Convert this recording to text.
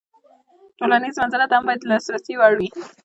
تولنیز منزلت هم باید د لاسرسي وړ وي.